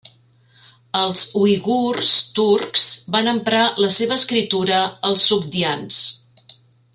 Els uigurs, turcs, van emprar la seva escriptura als sogdians.